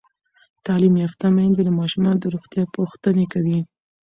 تعلیم یافته میندې د ماشومانو د روغتیا پوښتنې کوي.